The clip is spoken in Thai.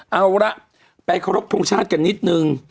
เอาละไปเคารพทงชาติกันนิดนึง